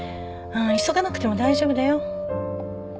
急がなくても大丈夫だよ。